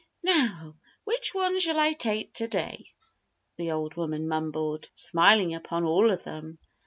"Now, which ones shall I take to day?" the old woman mumbled, smiling upon all of them.